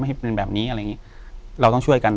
อยู่ที่แม่ศรีวิรัยยิวยลครับ